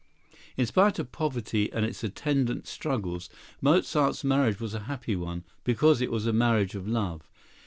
In spite of poverty and its attendant struggles, Mozart's marriage was a happy one, because it was a marriage of love.